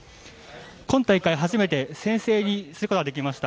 今大会、初めて先制することができました。